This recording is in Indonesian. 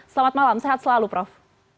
selamat malam sehat selalu prof